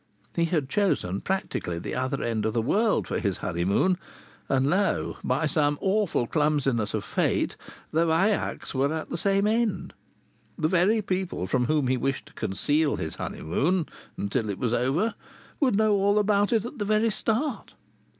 He had chosen practically the other end of the world for his honeymoon, and lo! by some awful clumsiness of fate the Vaillacs were at the same end! The very people from whom he wished to conceal his honeymoon until it was over would know all about it at the very start!